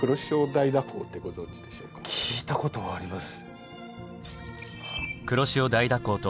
聞いたことあります。